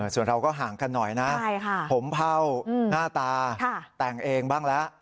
ส่วนเราก็ห่างกันหน่อยนะผมเผ่าหน้าตาแต่งเองบ้างแล้ว